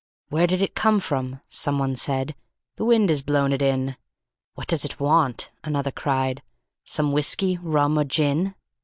"Where did it come from?" someone said. " The wind has blown it in." "What does it want?" another cried. "Some whiskey, rum or gin?"